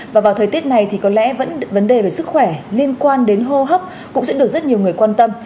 và vào thời tiết này thì có lẽ vấn đề về sức khỏe liên quan đến hô hấp cũng sẽ được rất nhiều người quan tâm